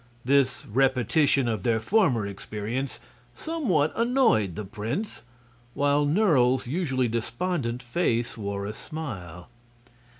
This repetition of their former experience somewhat annoyed the prince, while Nerle's usually despondent face wore a smile.